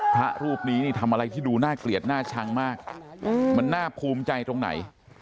พระรูปนี้นี่ทำอะไรที่ดูน่าเกลียดน่าชังมากมันน่าภูมิใจตรงไหน